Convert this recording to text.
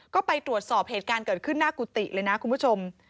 ก็ไปตรวจสอบเหตุการณ์เกิดขึ้นหน้ากุฏิเลยนะคุณผู้ชม